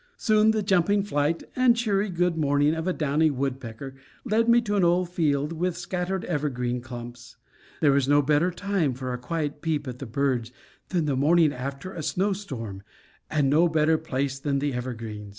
Soon the jumping flight and cheery good morning of a downy woodpecker led me to an old field with scattered evergreen clumps. There is no better time for a quiet peep at the birds than the morning after a snow storm, and no better place than the evergreens.